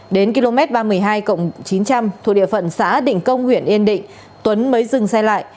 đến km ba mươi hai chín trăm linh thuộc địa phận xã định công huyện yên định tuấn mới dừng xe lại